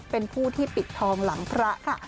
เป็นผู้ที่ปิดทองหลังพระค่ะ